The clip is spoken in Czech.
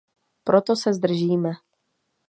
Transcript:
Proto se zdržíme.